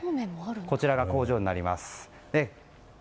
こちらが工場になります。